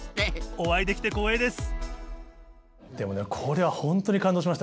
お会いできて光栄です！